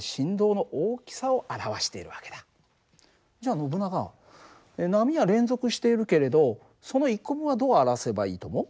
じゃあノブナガ波は連続しているけれどその１個分はどう表せばいいと思う？